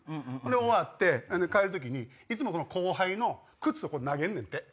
終わって帰る時にいつも後輩の靴をこう投げんねんって。